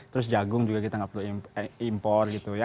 terus jagung juga kita nggak perlu impor gitu ya